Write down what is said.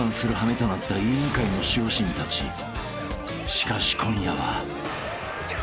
［しかし今夜は］